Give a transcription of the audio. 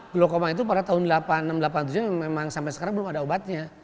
glukoma itu pada tahun seribu delapan ratus delapan puluh tujuh memang sampai sekarang belum ada obatnya